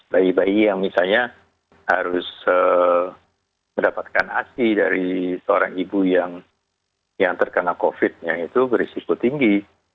bayi bayi yang misalnya harus mendapatkan asi dari seorang ibu yang terkena covid nya itu berisiko tinggi